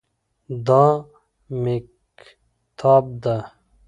دا مېکتاب ده